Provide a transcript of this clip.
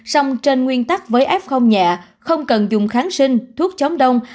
sông trên nguyên tắc với f nhẹ không cần dùng kháng sinh thuốc chống đông